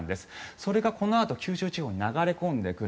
それがこのあと九州地方に流れ込んでくる。